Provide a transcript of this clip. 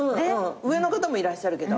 上の方もいらっしゃるけど。